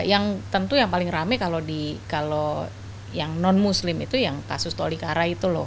yang tentu yang paling rame kalau yang non muslim itu yang kasus tolikara itu loh